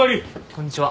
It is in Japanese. こんにちは。